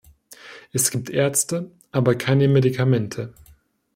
Es gibt Ärzte, aber keine Medikamente.